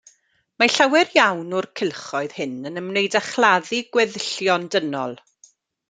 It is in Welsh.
Mae llawer iawn o'r cylchoedd hyn yn ymwneud â chladdu gweddillion dynol.